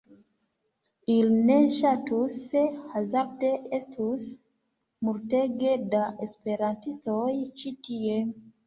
Ili ne ŝatus se hazarde estus multege da esperantistoj ĉi tie.